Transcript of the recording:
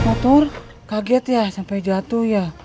motor kaget ya sampai jatuh ya